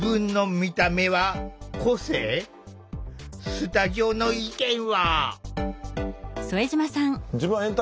スタジオの意見は？